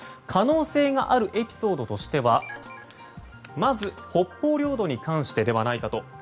可能性があるエピソードとしてはまず、北方領土に関してではないかと。